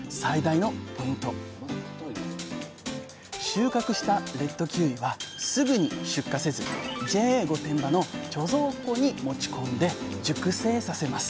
収穫したレッドキウイはすぐに出荷せずＪＡ御殿場の貯蔵庫に持ち込んで熟成させます。